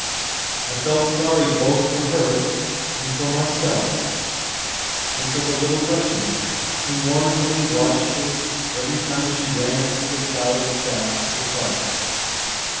I felt sorry both for her and for myself and for the Little Russian, who mournfully watched her every time she ran through the cloud of chaff to the carts.